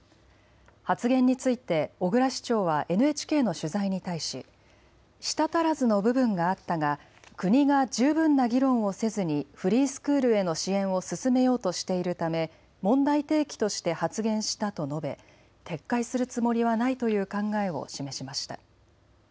発言について小椋市長はＮＨＫの取材に対し舌足らずの部分があったが国が十分な議論をせずにフリースクールへの支援を進めようとしているため問題提起として発言したと述べ撤回するつもりはないという考えを示しました。